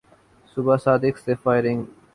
صبح صادق سے فائرنگ کی